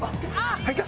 入った！